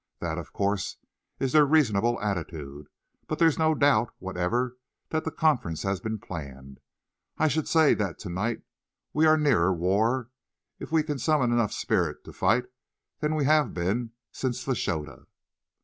That, of course, is their reasonable attitude, but there's no doubt whatever that the conference has been planned. I should say that to night we are nearer war, if we can summon enough spirit to fight, than we have been since Fashoda."